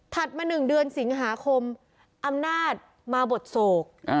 ถัดมาหนึ่งเดือนสิงหาคมอำนาจมาบดโศก